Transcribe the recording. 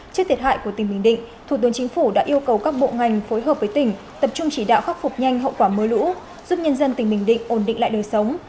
trước thiệt hại của tỉnh bình định thủ tướng chính phủ đã yêu cầu các bộ ngành phối hợp với tỉnh tập trung chỉ đạo khắc phục nhanh hậu quả mưa lũ giúp nhân dân tỉnh bình định ổn định lại đời sống